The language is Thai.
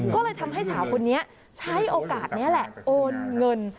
ก็เลยทำให้สาวคนนี้ใช้โอกาสนี้แหละโอนเงิน